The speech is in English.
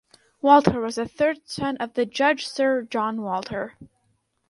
Walter was the third son of the judge Sir John Walter.